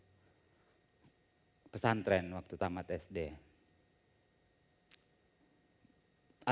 itu kemudian harus menemukan cara yang tepat bagaimana mengkomunikasikan semua pertanyaannya ke orang lain